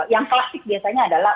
yang klasik biasanya adalah